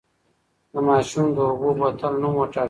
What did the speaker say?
د ماشوم د اوبو بوتل نوم وټاکئ.